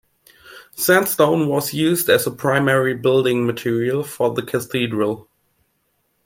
Sandstone was used as the primary building material for the cathedral.